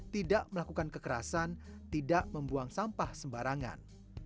tidak melakukan kekerasan tidak membuang sampah sembarangan